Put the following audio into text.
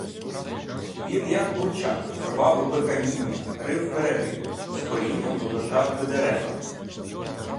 Він як бурчак рвав би каміння, рив береги, з корінням вивертав би дерева.